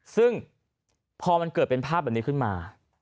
ซึ่งพอมันเกิดเป็นภาพแบบนี้ขึ้นมา